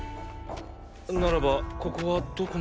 ならばここはどこなのだ。